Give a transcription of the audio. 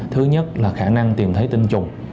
thứ nhất là khả năng tìm thấy tinh trùng